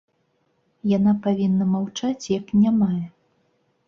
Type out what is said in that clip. Яна павінна маўчаць, як нямая.